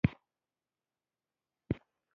جګړه د انسان له فطرت سره جګړه ده